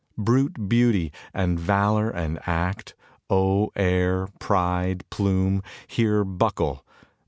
Brute beauty and valour and act, oh, air, pride, plume, here Buckle!